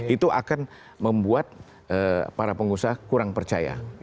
itu akan membuat para pengusaha kurang percaya